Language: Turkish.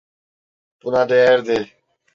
Buna değerdi.